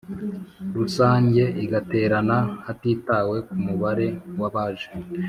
Rusange igaterana hatitawe ku mubare w abaje